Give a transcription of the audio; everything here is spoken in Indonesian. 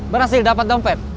berhasil dapat dong pet